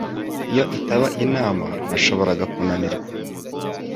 Iyo itaba inama, nashoboraga kunanirwa.